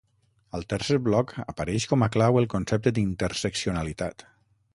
Al tercer bloc apareix com a clau el concepte d'interseccionalitat.